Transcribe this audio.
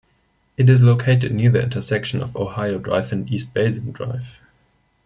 It is located near the intersection of Ohio Drive and East Basin Drive.